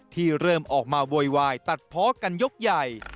ที่เริ่มออกมาโวยวายตัดเพาะกันยกใหญ่